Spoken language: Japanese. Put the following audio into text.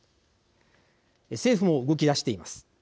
政府も動き出しています。